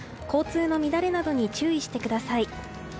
交通の乱れなどに注意してください。